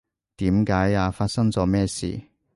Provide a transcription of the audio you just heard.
點解呀？發生咗咩事？